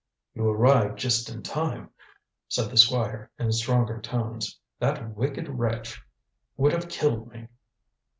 "You arrived just in time," said the Squire, in stronger tones. "That wicked wretch would have killed me."